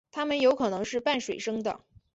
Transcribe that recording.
它们有可能是半水生的。